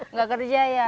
nggak kerja ya